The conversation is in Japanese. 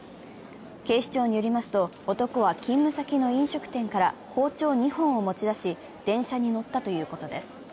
警視庁によりますと、男は勤務先の飲食店から包丁２本を持ち出し電車に乗ったということです。